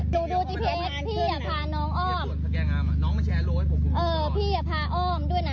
ดูดูจิพีเอสพี่อย่าพาน้องอ้อมพี่อย่าพาอ้อมด้วยน่ะ